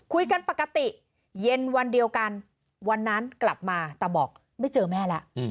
คุยกันปกติเย็นวันเดียวกันวันนั้นกลับมาแต่บอกไม่เจอแม่แล้ว